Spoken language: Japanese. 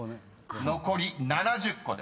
［残り７０個です］